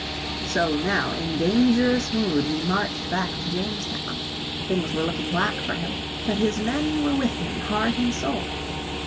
So now in dangerous mood he marched back to Jamestown. Things were looking black for him, but his men were with him heart and soul.